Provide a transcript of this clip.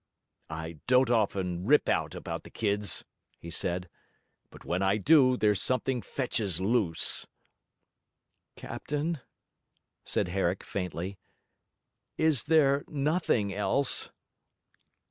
'I don't often rip out about the kids,' he said; 'but when I do, there's something fetches loose.' 'Captain,' said Herrick faintly, 'is there nothing else?'